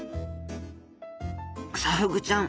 クサフグちゃん